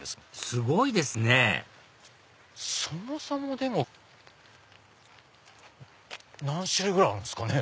すごいですねそもそもでも。何種類ぐらいあるんですかね？